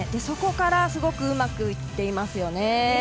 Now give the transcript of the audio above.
そこからうまくいっていますね。